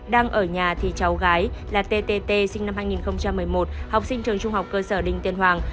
đang ở nhà thì cháu gái là tt sinh năm hai nghìn một mươi một học sinh trường trung học cơ sở đinh tiên hoàng